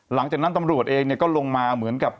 หลังจากนั้นตำรวจเองก็ลงมาเหมือนกับ